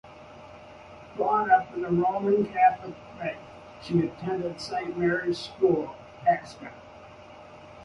Brought up in the Roman Catholic faith, she attended Saint Mary's School, Ascot.